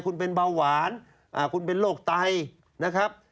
คุณเป็นเบาหวานคุณเป็นโรคไตนะครับ